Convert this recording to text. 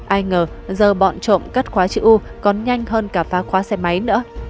ai ngờ giờ bọn trộm cắt khóa chịu u còn nhanh hơn cả phá khóa xe máy nữa